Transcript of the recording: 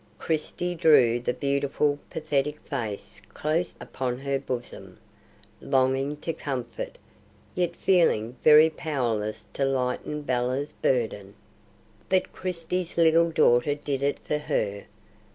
Christie drew the beautiful, pathetic face clown upon her bosom, longing to comfort, yet feeling very powerless to lighten Bella's burden. But Christie's little daughter did it for her.